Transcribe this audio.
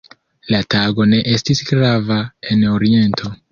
La tago ne estis grava en Oriento.